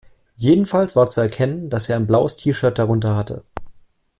Jedenfalls war zu erkennen, dass er ein blaues T-Shirt drunter hatte.